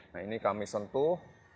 nah ini kami sentuh